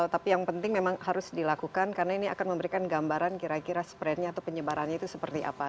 tapi yang penting memang harus dilakukan karena ini akan memberikan gambaran kira kira sprintnya atau penyebarannya itu seperti apa